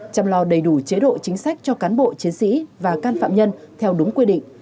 chăm lo đầy đủ chế độ chính sách cho cán bộ chiến sĩ và can phạm nhân theo đúng quy định